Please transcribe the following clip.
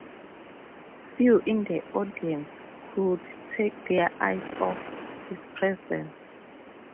Few in the audience could take their eyes off this presence.